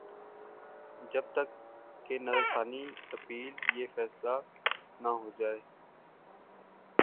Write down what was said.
جب تک کہ نظر ثانی اپیل پہ فیصلہ نہ ہوجائے۔